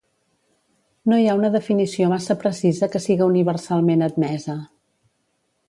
No hi ha una definició massa precisa que siga universalment admesa.